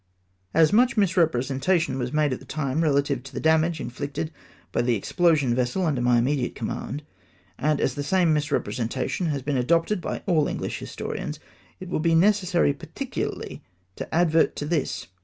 As much misrepresentation was made at the time relative to the damage inflicted by the ' explosion vessel under my immediate command, and as the same mis representation has been adopted by all Enghsh histo rians, it will be necessary particularly to advert to this.